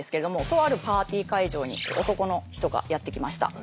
とあるパーティー会場に男の人がやって来ました。